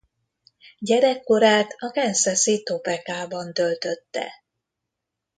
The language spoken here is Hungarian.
Gyerekkorát a kansasi Topekában töltötte.